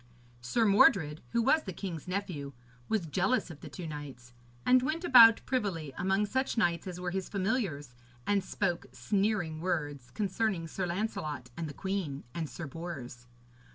Sir Mordred, who was the king's nephew, was jealous of the two knights, and went about privily among such knights as were his familiars, and spoke sneering words concerning Sir Lancelot and the queen and Sir Bors.